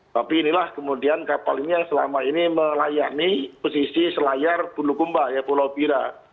tapi inilah kemudian kapalnya selama ini melayani posisi selayar bundukumba pulau bira